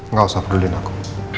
gak usah pedulin aku